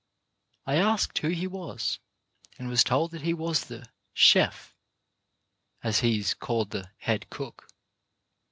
I asked who he was, and was told that he was the " chef, " as he is called — the head cook.